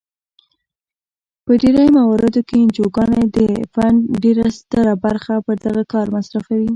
په ډیری مواردو کې انجوګانې د فنډ ډیره ستره برخه پر دغه کار مصرفوي.